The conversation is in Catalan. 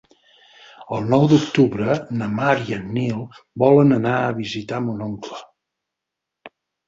El nou d'octubre na Mar i en Nil volen anar a visitar mon oncle.